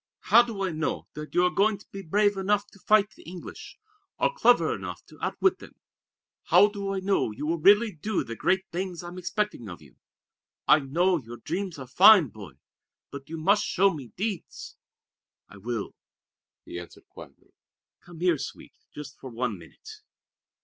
"How do I know that you are going to be brave enough to fight the English, or clever enough to outwit them? How do I know you will really do the great things I'm expecting of you? I know your dreams are fine, Boy; but you must show me deeds." "I will," he answered quietly. "Come here, Sweet, just for one minute!"